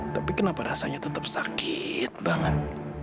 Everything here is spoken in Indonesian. tapi kenapa rasanya tetap sakit banget